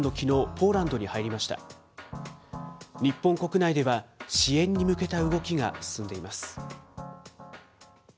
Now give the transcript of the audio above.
日本国内では、支援に向けた動きが進んでいます。